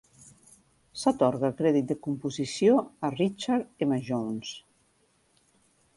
S'atorga crèdit de composició a Richard M. Jones.